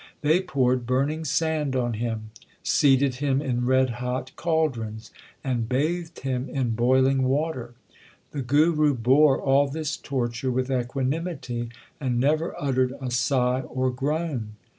They poured burning sand on him, seated him in red hot caldrons, and LIFE OF GURU ARJAN 93 bathed him in boiling water. The Guru bore all this torture with equanimity and never uttered a sigh or groan.